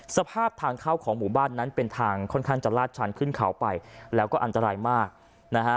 สภาพทางเข้าของหมู่บ้านนั้นเป็นทางค่อนข้างจะลาดชันขึ้นเขาไปแล้วก็อันตรายมากนะฮะ